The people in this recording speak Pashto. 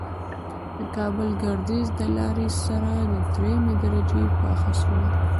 د کابل گردیز د لارې سره د دریمې درجې پاخه سرک